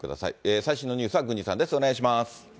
最新のニュースは郡司さんです。